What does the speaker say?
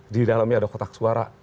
di dalamnya ada kotak suara